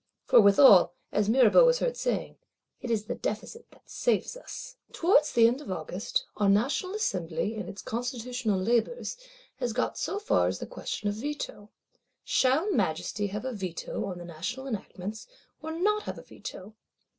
For withal, as Mirabeau was heard saying, 'it is the Deficit that saves us.' Towards the end of August, our National Assembly in its constitutional labours, has got so far as the question of Veto: shall Majesty have a Veto on the National Enactments; or not have a Veto?